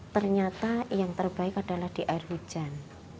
ternyata yang terbaik adalah di air hujan